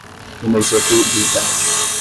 inexequibilidade